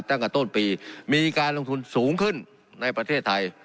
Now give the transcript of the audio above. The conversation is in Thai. ตั้งแต่ต้นปีมีการลงทุนสูงขึ้นในประเทศไทย